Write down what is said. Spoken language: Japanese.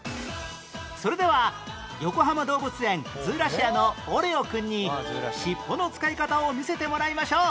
それではよこはま動物園ズーラシアのオレオくんに尻尾の使い方を見せてもらいましょう